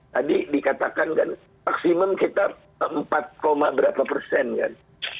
tadi dikatakan kan maksimum kita empat berapa persen kan